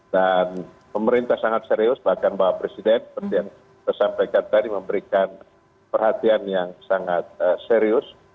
dan pemerintah sangat serius bahkan bahwa presiden seperti yang disampaikan tadi memberikan perhatian yang sangat serius